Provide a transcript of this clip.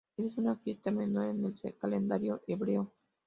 Ésta es una fiesta menor en el calendario hebreo.